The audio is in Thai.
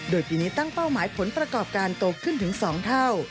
โดยปีนี้ตั้งเป้าหมายผลประกอบการโตขึ้นถึง๒เท่า